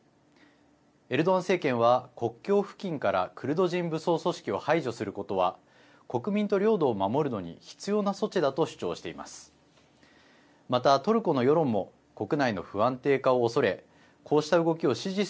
エルドアン政権は国境付近からクルド人武装組織を排除することは国民と領土を守るのに必要な措置だと主張しています。